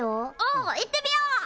お行ってみよう。